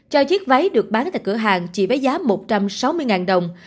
cho chiếc váy được bán tại cửa hàng chỉ với giá một trăm sáu mươi đồng